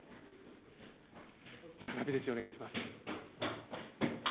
村上選手、お願いします。